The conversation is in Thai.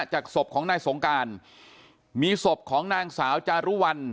จากศพของนายสงการมีศพของนางสาวจารุวัล